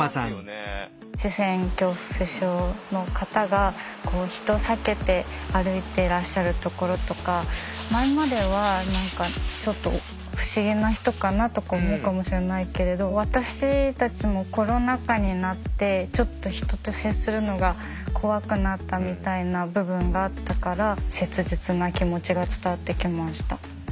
視線恐怖症の方が人を避けて歩いてらっしゃるところとか前まではちょっと不思議な人かなとか思うかもしれないけれど私たちもコロナ禍になってちょっと人と接するのが怖くなったみたいな部分があったから切実な気持ちが伝わってきました。